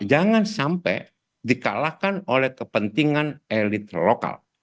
jangan sampai dikalahkan oleh kepentingan elit lokal